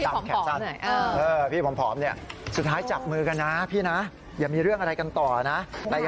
อย่างนี้ว่าต้องเป็นเพื่อนกันเป็นพี่เหมือนน้อง